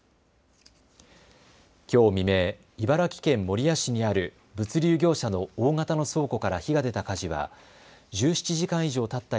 きょう未明、茨城県守谷市にある物流業者の大型の倉庫から火が出た火事は１７時間以上たった